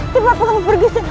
cepat kamu pergi sana